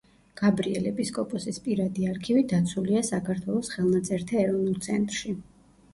გაბრიელ ეპისკოპოსის პირადი არქივი დაცულია საქართველოს ხელნაწერთა ეროვნულ ცენტრში.